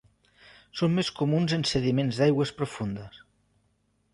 Són més comuns en sediments d'aigües profundes.